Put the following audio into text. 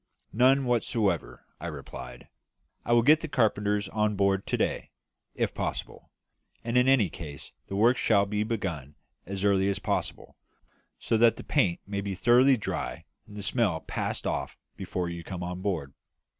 "None whatever," I replied; "I will get the carpenters on board to day, if possible; and in any case the work shall be begun as early as possible, so that the paint may be thoroughly dry and the smell passed off before you come on board."